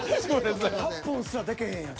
８本すらでけへんやん。